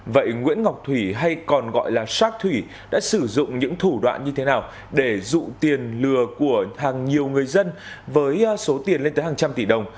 vậy nguyễn ngọc thủy hay còn gọi là shark thủy đã sử dụng những thủ đoạn như thế nào để dụ tiền lừa của hàng nhiều người dân với số tiền lên tới hàng trăm tỷ đồng